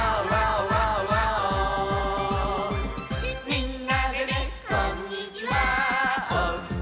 「みんなでねこんにちわお！」